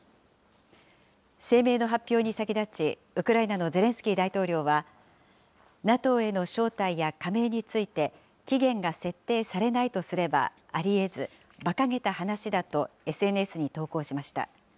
声明の発表に先立ち、ウクライナのゼレンスキー大統領は、ＮＡＴＯへの招待や加盟について、期限が設定されないとすればありえず、ばかげた話だと、ＳＮＳに投稿しました。